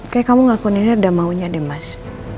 kayak kamu ngelakuin ini udah maunya deh mas